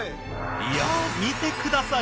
いや見てください。